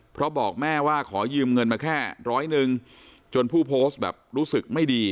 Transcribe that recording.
เพราะบอกแม่ว่าขอยืมเงินมาแค่ร้อยหนึ่งจนผู้โพสต์แบบรู้สึกไม่ดี